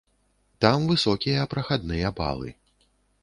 Там высокія прахадныя балы.